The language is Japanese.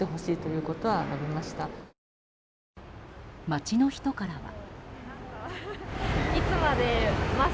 街の人からは。